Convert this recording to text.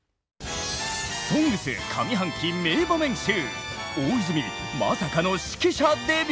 「ＳＯＮＧＳ」上半期名場面集！